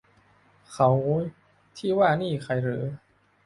เขาที่ว่านี่ใครหรือ